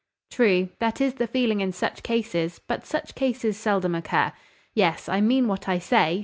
"True. That is the feeling in such cases: but such cases seldom occur. Yes: I mean what I say.